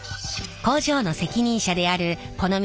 工場の責任者であるこの道